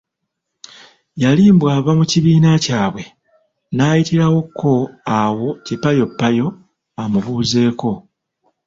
Yali mbu ava mu kibiina kyabwe, n'ayitirawooko awo ekipayoppayo amubuuzeeko.